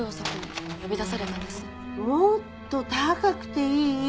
もっと高くていい！